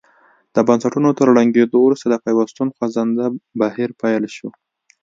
د بنسټونو تر ړنګېدو وروسته د پیوستون خوځنده بهیر پیل شو.